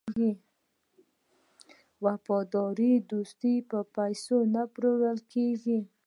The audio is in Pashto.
وفادار دوست په پیسو نه پلورل کیږي.